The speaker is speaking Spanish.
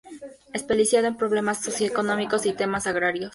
Especializado en problemas socioeconómicos y temas agrarios.